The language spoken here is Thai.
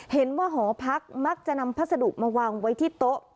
หอพักมักจะนำพัสดุมาวางไว้ที่โต๊ะ